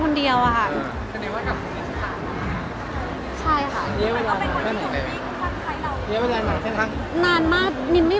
ก็เป็นวันต่อทางแม่ใช่ไหม